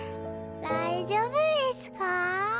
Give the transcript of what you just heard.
だいじょぶれすか？